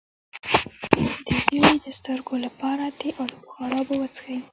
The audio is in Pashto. د زیړي د سترګو لپاره د الو بخارا اوبه وڅښئ